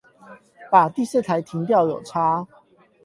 把第四台停掉有差